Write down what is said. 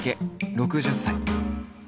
６０歳。